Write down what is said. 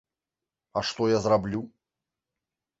А што я зраблю?